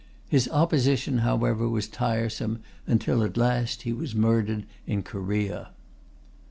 His opposition, however, was tiresome, until at last he was murdered in Korea.